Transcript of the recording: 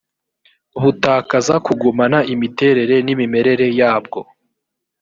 butakaza kugumana imiterere n imimerere yabwo